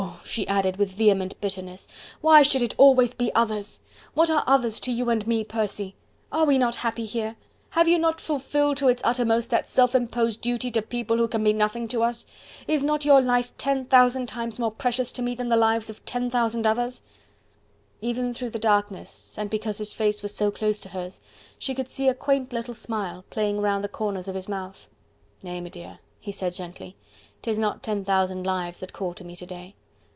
she added with vehement bitterness, "why should it always be others? What are others to you and to me, Percy?... Are we not happy here?... Have you not fulfilled to its uttermost that self imposed duty to people who can be nothing to us?... Is not your life ten thousand times more precious to me than the lives of ten thousand others?" Even through the darkness, and because his face was so close to hers, she could see a quaint little smile playing round the corners of his mouth. "Nay, m'dear," he said gently, "'tis not ten thousand lives that call to me to day...